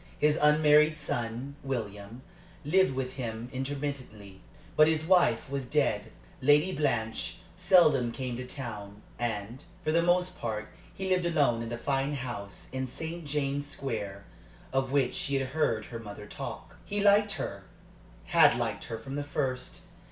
His unmarried son, William, lived with him intermittently; but his wife was dead. Lady Blanche seldom came to town, and, for the most part, he lived alone in the fine house in St. James's Square, of which she had heard her mother talk. He liked her had liked her from the first.